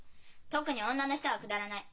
特に女の人はくだらない。